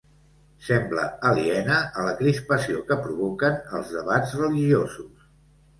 Sembla aliena a la crispació que provoquen els debats religiosos.